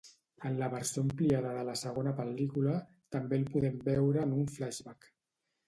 En la versió ampliada de la segona pel·lícula també el podem veure en un flashback.